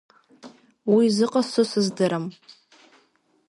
Уи зыҟасҵо сыздырам.